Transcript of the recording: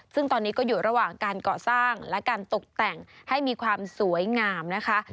ซึ่งตอนนี้ก็อยู่ระหว่างการก่อสร้างและการตกแต่งให้มีความสวยงามนะคะ